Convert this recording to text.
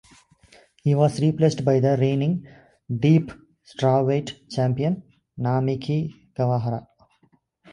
He was replaced by the reigning Deep Strawweight Champion Namiki Kawahara.